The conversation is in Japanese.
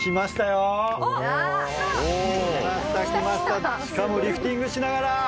しかもリフティングしながら。